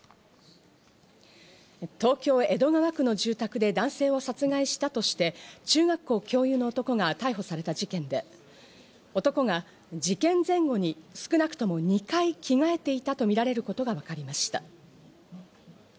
東京・江戸川区の住宅で男性を殺害したとして、中学校教諭の男が逮捕された事件で、男が事件前後に少なくとも２回着替えていたとみられることがわかりました。